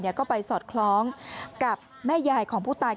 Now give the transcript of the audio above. ก็ไปสอดคล้องกับแม่ยายของผู้ตาย